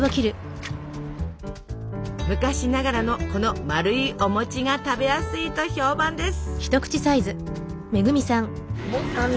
昔ながらのこのまるいお餅が食べやすいと評判です。